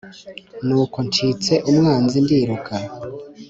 N’uko ncitse umwanzi ndiruka